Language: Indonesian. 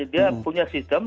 dia punya sistem